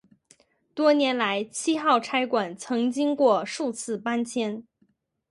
多年来七号差馆曾经过数次搬迁。